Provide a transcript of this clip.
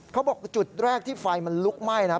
เขาบอกจุดแรกที่ไฟมันลุกไหม้นะครับ